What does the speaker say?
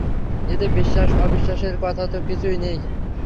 এতে বিশ্বাসঅবিশ্বাসের কথা তো কিছুই নেই।